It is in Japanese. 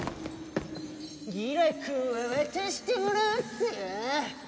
ギラくんは渡してもらうっすよ！